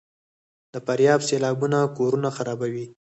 د فاریاب سیلابونه کورونه خرابوي؟